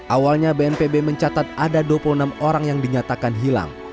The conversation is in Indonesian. awalnya bnpb mencatat ada dua puluh enam orang yang dinyatakan hilang